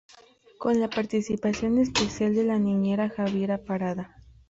Con la participación especial de la niña Javiera Parada.